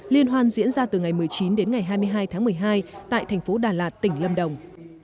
liên hoan diễn ra từ ngày một mươi chín đến ngày hai mươi hai tháng một mươi hai tại thành phố đà lạt tỉnh lâm đồng